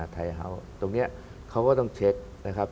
ไทยเฮาส์ตรงนี้เขาก็ต้องเช็คนะครับ